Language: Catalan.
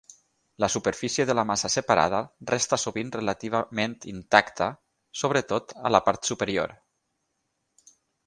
La superfície de la massa separada resta sovint relativament intacta, sobretot a la part superior.